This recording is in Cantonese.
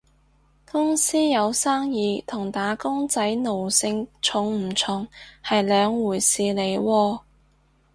公司有生意同打工仔奴性重唔重係兩回事嚟喎